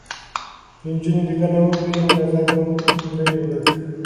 که نجونې لیکنه وکړي نو نظر به نه وي ورک.